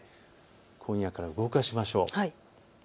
今夜から動かしましょう。